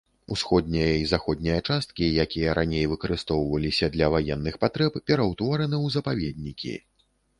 Усходняя і заходняя часткі, якія раней выкарыстоўваліся для ваенных патрэб, пераўтвораны ў запаведнікі.